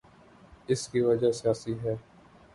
اس کی وجہ سیاسی ہے۔